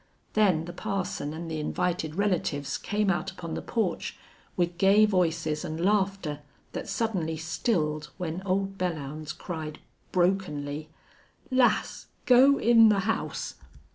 Then the parson and the invited relatives came out upon the porch, with gay voices and laughter that suddenly stilled when old Belllounds cried, brokenly: "Lass go in the house."